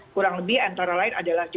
kurang lebih antara lain adalah